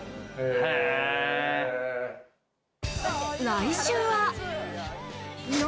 来週は。